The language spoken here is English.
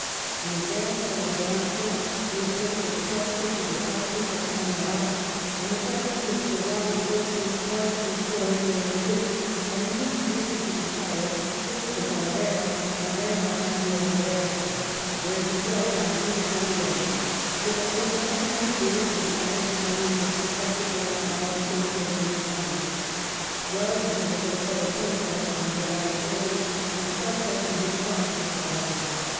The advance from Abrantes, the approach of Cuesta to the Tagus at Almaraz, and the presence of Sir Eobert Wilson's partisan corps near Madrid, had induced Victor to retire, first to Talavera and then behind the Alberche, where he was on June 28th, so that the junction of the British and Spanish armies was effected without molestation of any kind. Wellesley was at Oropeza on July 20th, and Cuesta in his front at Vellada.